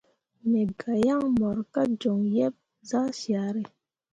Me ga yaŋ mor ka joŋ yeb zah syare.